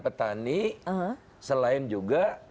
petani selain juga